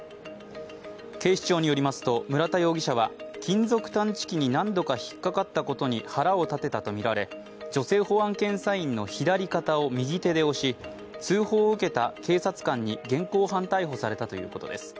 警視庁によりますと村田容疑者は金属探知機に何度か引っかかったことに腹を立てたとみられ、女性保安検査員の左肩を右手で押し通報を受けた警察官に現行犯逮捕されたということです。